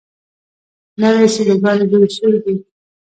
نوې سیلوګانې جوړې شي.